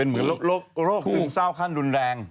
เหมือนโรคซึมเศร้าขั้นรุนแรง